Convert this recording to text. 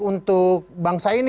untuk bangsa ini